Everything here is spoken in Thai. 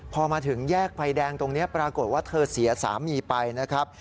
พอมาถึงแยกไฟแดงตรงนี้ปรากฏว่าเธอเสียสามีไปนะครับ